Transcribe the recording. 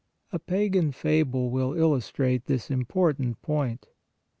A pagan fable will illustrate this important point.